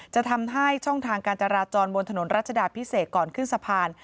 จะทำให้ช่องทางการจราจรบนถนนรัชดาพิเศษก่อนขึ้นสะพาน